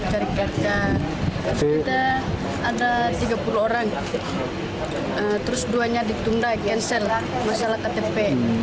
dari jakarta ada tiga puluh orang terus duanya ditunda cancel masalah ktp